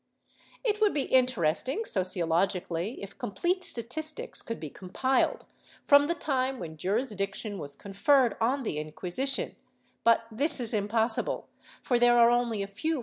^ It would be interesting sociologically if complete statistics could be compiled, from the time when jurisdiction was conferred on the Inquisition, but this is impossible, for there are only a few ^ Archive hist, nacional, Inq.